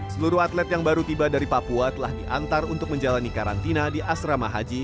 seluruh atlet yang baru tiba dari papua telah diantar untuk menjalani karantina di asrama haji